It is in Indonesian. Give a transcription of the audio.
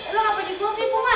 lo ngapain dibuang sih ibu ma